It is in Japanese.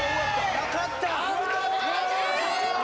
・なかった！